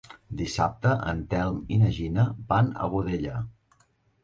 Dissabte en Telm i na Gina van a Godella.